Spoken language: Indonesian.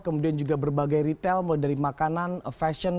kemudian juga berbagai retail mulai dari makanan fashion